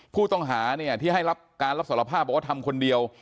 ผู้ต้องหาเนี่ยที่ให้รับการรับสารภาพบอกว่าทำคนเดียว